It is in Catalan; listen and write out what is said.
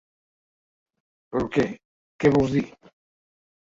Però què, què vols dir?